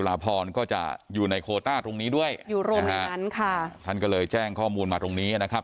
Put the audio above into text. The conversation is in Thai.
ลาพรก็จะอยู่ในโคต้าตรงนี้ด้วยอยู่รวมตรงนั้นค่ะท่านก็เลยแจ้งข้อมูลมาตรงนี้นะครับ